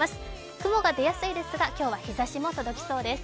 雲が出やすいですが、今日は日ざしも届きそうです。